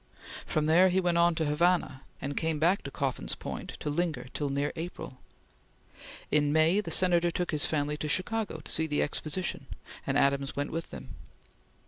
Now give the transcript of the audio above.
From there he went on to Havana, and came back to Coffin's Point to linger till near April. In May the Senator took his family to Chicago to see the Exposition, and Adams went with them.